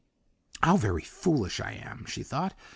"How very foolish I am," she thought.